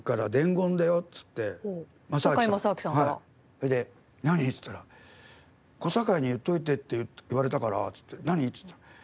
それで何？って言ったら小堺に言っといてって言われたからって言って。